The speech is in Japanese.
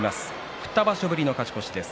２場所ぶりの勝ち越しです。